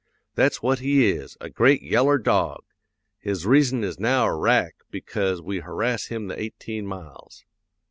That's what he is, a great yeller dog; his reason is now a wrack because we harasses him the eighteen miles.